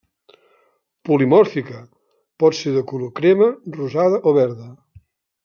Polimòrfica: pot ser de color crema, rosada o verda.